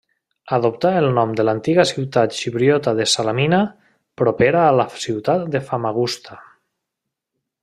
Adoptà el nom de l'antiga ciutat xipriota de Salamina, propera a la ciutat de Famagusta.